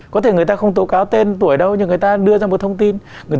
có thể người ta không tố cáo tên tuổi đâu nhưng người ta đưa ra một thông tin